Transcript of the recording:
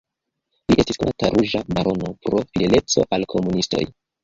Li estis konata "Ruĝa barono" pro fideleco al komunistoj.